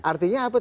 artinya apa tuh